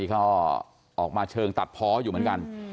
ก็ออกมาเชิงตัดเพาะอยู่เหมือนกัน